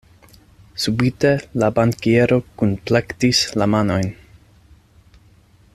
Subite la bankiero kunplektis la manojn.